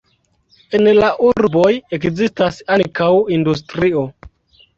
En la urboj ekzistas ankaŭ industrio.